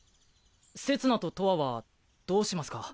せつなととわはどうしますか？